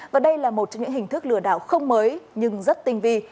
và đây là một trong những hình thức lừa đảo không mới nhưng rất tinh vi